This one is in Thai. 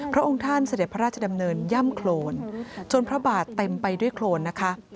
พระองค์ท่านเสด็จพระราชดำเนินย่ำโครนจนพระบาทเต็มไปด้วยโครนนะคะ